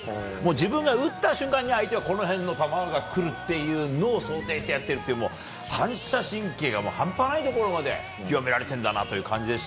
自分が打った瞬間に相手はこの辺の球が来るというのを想定してやってて反射神経が半端ないところまで極められてるんだなという。